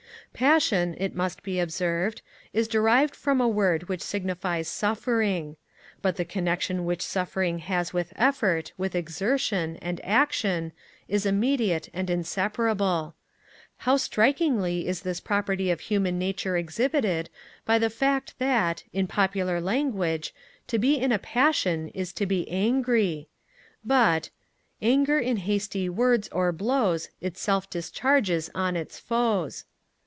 Passion, it must be observed, is derived from a word which signifies suffering; but the connexion which suffering has with effort, with exertion, and action, is immediate and inseparable. How strikingly is this property of human nature exhibited by the fact that, in popular language, to be in a passion is to be angry! But, Anger in hasty words or blows Itself discharges on its foes.